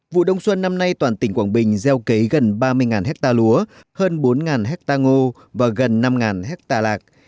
vụ đông xuân năm nay toàn tỉnh quảng bình gieo kế gần ba mươi hecta lúa hơn bốn hecta ngô và gần năm hecta lạc